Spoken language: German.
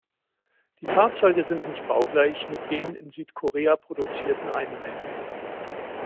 Die Fahrzeuge sind nicht baugleich mit den in Südkorea produzierten Einheiten.